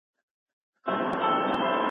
ګاونډیانو به د هر فرد خوندیتوب باوري کوی.